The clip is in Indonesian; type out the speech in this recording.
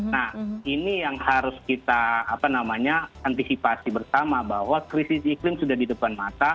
nah ini yang harus kita antisipasi bersama bahwa krisis iklim sudah di depan mata